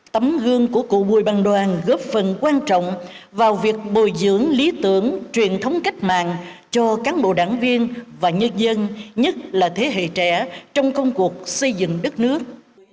tấm gương của cụ bùi bằng đoàn góp phần quan trọng vào việc bồi dưỡng lý tưởng truyền thống cách mạng cho cán bộ đảng viên và nhân dân nhất là thế hệ trẻ trong công cuộc xây dựng đất nước